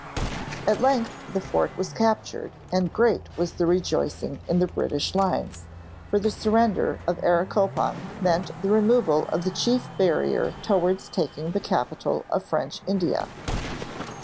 At length the fort was captured and great was the rejoicing in the British lines, for the surrender of Areacopong meant the removal of the chief barrier towards taking the capital of French India.